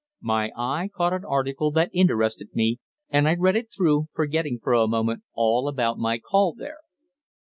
My eye caught an article that interested me, and I read it through, forgetting for a moment all about my call there.